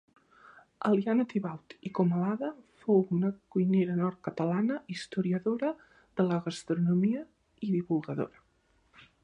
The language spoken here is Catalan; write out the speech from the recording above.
Eliana Thibaut i Comalada fou una cuinera nord-catalana historiadora de la gastronomia i divulgadora